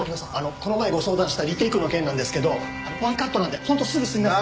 この前相談したリテイクの件なんですけどワンカットなんで本当すぐ済みますんで。